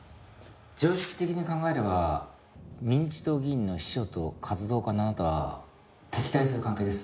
「常識的に考えれば民自党議員の秘書と活動家のあなたは敵対する関係です」